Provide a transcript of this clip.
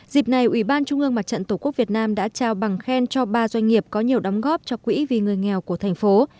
dịp này ủy ban trung ương mặt trận tổ quốc việt nam đã trao bằng khen cho ba doanh nghiệp có nhiều đóng góp cho quỹ vì người nghèo của thành phố